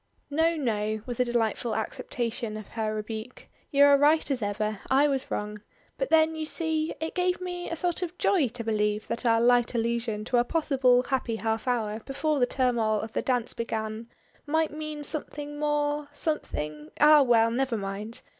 "No no," with a delightful acceptation of her rebuke. "You are right as ever. I was wrong. But then, you see, it gave me a sort of joy to believe that our light allusion to a possible happy half hour before the turmoil of the dance began might mean something more something Ah! well never mind!